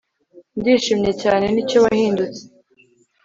ndishimye cyane nicyo wahindutse .